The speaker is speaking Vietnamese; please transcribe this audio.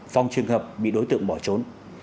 phong trường hợp bị đối tượng bỏ trốn